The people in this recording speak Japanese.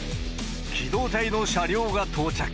機動隊の車両が到着。